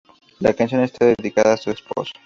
La canción está dedicada a su esposo.